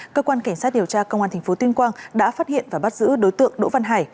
cơ quan cảnh sát điều tra công an tp tuyên quang đã phát hiện và bắt giữ đối tượng đỗ văn hải